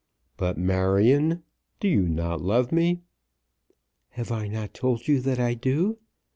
"But, Marion; do you not love me?" "Have I not told you that I do?